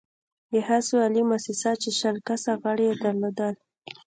د ښځو عالي مؤسسه چې شل کسه غړې يې درلودل،